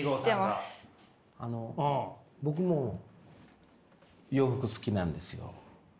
あの僕も洋服好きなんですよ。